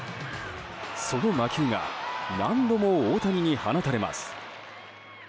その魔球が何度も大谷に放たれます。